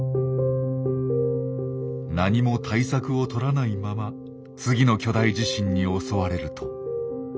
何も対策を取らないまま次の巨大地震に襲われると。